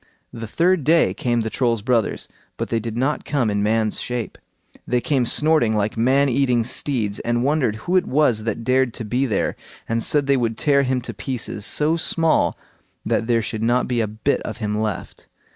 The third day came the Troll's brothers, but they did not come in man's shape. They came snorting like man eating steeds, and wondered who it was that dared to be there, and said they would tear him to pieces, so small that there should not be a bit of him left.